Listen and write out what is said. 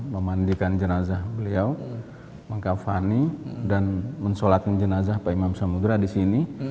memandikan jenazah beliau mengkafani dan mensolatkan jenazah pak imam samudra disini